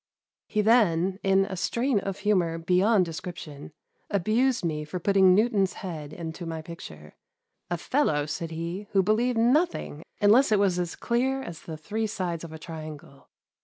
He then, in a strain of humour beyond description, abused me for putting Newton's head into my picture —" a fellow," said he, " who believed nothing unless it was as clear as the three sides of a triangle."